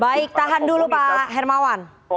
baik tahan dulu pak hermawan